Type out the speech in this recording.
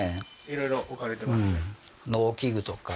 いろいろ置かれてますね